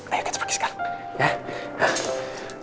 ayo kita pergi sekarang